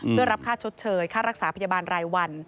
เพื่อรับค่าชดเชยค่ารักษาพยาบาลรายวัน